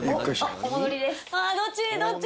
どっち？